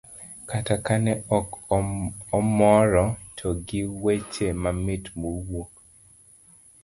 kata ka ne ok omoro; to gi weche matin mowuok.